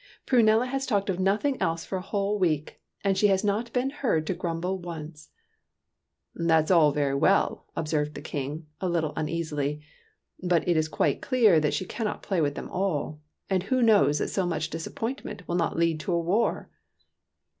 " Prunella has talked of nothing else for a whole week, and she has not been heard to grumble once." '' That 's all very well," observed the King, a little uneasily ;'' but it is quite clear that she cannot play with them all, and who knows that so much disappointment will not lead to a war?"